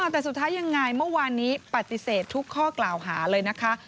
แต่สุดท้ายยังไงเมื่อวานนี้ปฏิเสธทุกข้อกล่าวหาเลยนะคะ